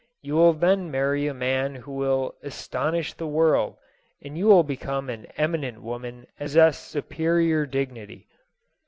You will then marry a man who will as tonish the world, and you will become an eminent woman and possess a superior dignity."